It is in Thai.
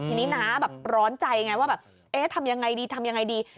ทีนี้น้าแบบร้อนใจไงว่าแบบเอ๊ะทำยังไงดีทำยังไงดี